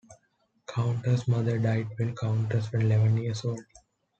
Caunter's mother died when Caunter was eleven years old.